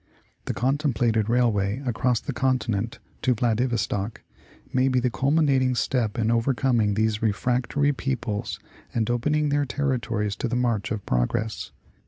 The contemplated railway across the continent to Vladivostock may be the cxilmi nating step in overcoming these refractory peoples and opening their territories to the march of progress.